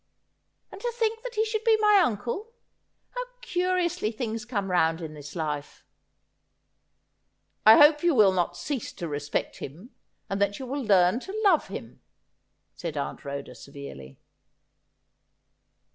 And to think that he should be my uncle. How curi ously things come round in this life !'' I hope you will not cease to respect him, and that you will learn to love him,' said Aunt Ehoda severely.